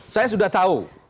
saya sudah tahu